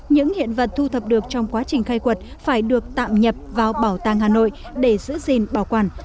những hiện vật thu thập được trong quá trình khai quật phải được tạm nhập vào bảo tàng hà nội để giữ gìn bảo quản